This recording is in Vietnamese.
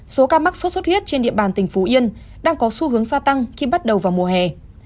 số ca mắc sốt xuất huyết trên địa bàn tỉnh phú yên đang có xu hướng gia tăng khi bắt đầu vào mùa hè